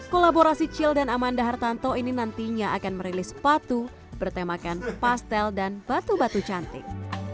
kolaborasi cil dan amanda hartanto ini nantinya akan merilis sepatu bertemakan pastel dan batu batu cantik